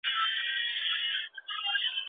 زغم مې د ژوند ملګری دی.